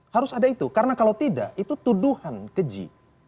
harus ada itu karena kalau tidak itu tuduhan keji